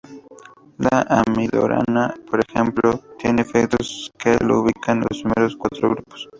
La amiodarona, por ejemplo, tiene efectos que lo ubican en los primeros cuatro grupos.